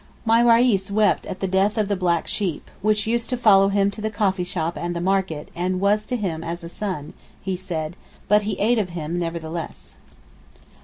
My Reis wept at the death of the black sheep, which used to follow him to the coffee shop and the market, and 'was to him as a son,' he said, but he ate of him nevertheless.